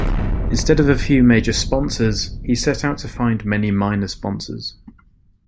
Instead of a few major sponsors, he set out to find many minor sponsors.